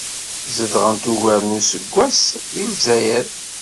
Zedɣent ugar n useggas deg Ldzayer.